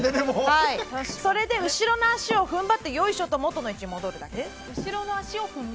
それで後ろの足を踏ん張ってよいしょと元の位置に戻すだけ。